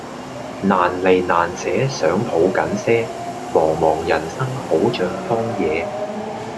難離難捨想抱緊些茫茫人生好像荒野